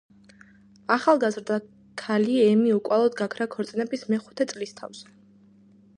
ახალგაზრდა ქალი ემი უკვალოდ გაქრა ქორწინების მეხუთე წლისთავზე.